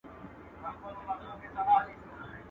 رسنۍ باید رښتیا بیان کړي